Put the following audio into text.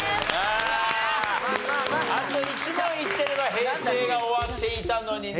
あああと１問いってれば平成が終わっていたのにね。